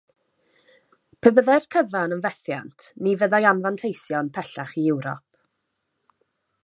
Pe byddai'r cyfan yn fethiant, ni fyddai anfanteision pellach i Ewrop.